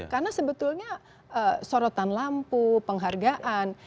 karena sebetulnya sorotan lampu penghargaan